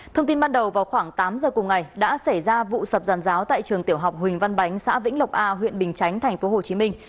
thông tin ban đầu vào khoảng tám giờ cùng ngày đã xảy ra vụ sập giàn giáo tại trường tiểu học huỳnh văn bánh xã vĩnh lộc a huyện bình chánh thành phố hồ chí minh